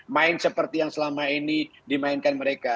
main seperti yang selama ini dimainkan mereka